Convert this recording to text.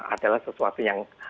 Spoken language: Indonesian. adalah sesuatu yang